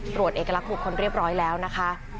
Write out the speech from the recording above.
ตรวจเอกลักษณ์บุคคลเรียบร้อยแล้วนะคะ